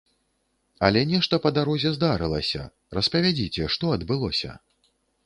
Але нешта па дарозе здарылася, распавядзіце, што адбылося?